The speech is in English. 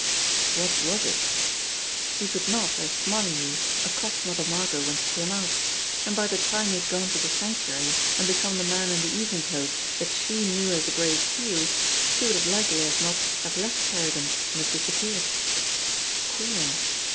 What was it? He could not, as Smarlinghue, accost Mother Margot when she came out ; and by the time he had gone to the Sanctuary and become the man in the evening clothes that she knew as the Gray Seal, she would as likely as not have left Kerrigan's and have disappeared. Queer!